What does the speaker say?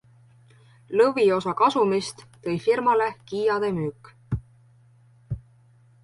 Lõviosa kasumist tõi firmale Kiade müük.